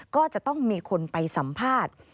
ก็จะต้องมีคนไปสัมภาษณ์